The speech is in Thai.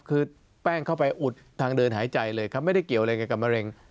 คือแป้งเข้าไปอุดทางเดินหายใจเลยครับไม่ได้เกี่ยวอะไรกับมะเร็ง